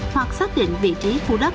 hoặc xác định vị trí khu đất